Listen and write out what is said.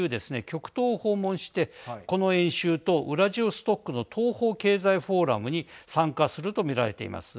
極東を訪問してこの演習とウラジオストクの東方経済フォーラムに参加すると見られています。